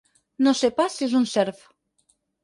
No sé pas si és un serf.